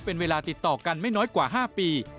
เป็นเวลาติดต่อกันไม่น้อยกว่า๕ปี